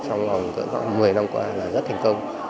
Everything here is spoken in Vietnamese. trong vòng một mươi năm qua là rất thành công